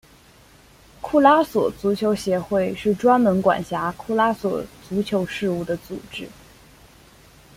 库拉索足球协会是专门管辖库拉索足球事务的组织。